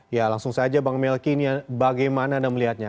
ya langsung saja bang melki bagaimana anda melihatnya